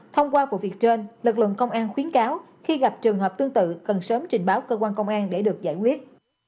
thông qua vụ việc trên lực lượng công an khuyến cáo khi gặp trường hợp tương tự cần sớm trình báo cơ quan công an để được giải quyết